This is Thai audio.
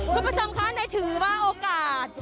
คุณผู้ชมคะไหนถือว่าโอกาส